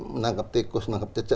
menangkap tikus menangkap cecek